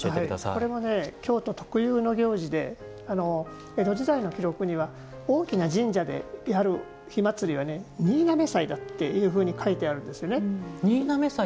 これも京都特有の行事で江戸時代の記録には大きな神社でやる火祭りは新嘗祭だというふうに書いてあるんですね。